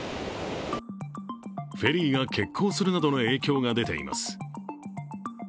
フェリーが欠航するなどの影響が出ています。